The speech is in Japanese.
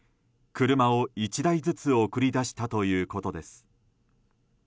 車を１台ずつ送り出したということです。